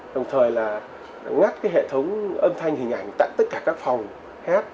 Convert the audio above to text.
đồng thời là ngắt cái hệ thống âm thanh hình ảnh tại tất cả các phòng hát